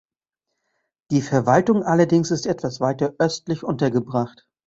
Die Verwaltung allerdings ist etwas weiter östlich untergebracht.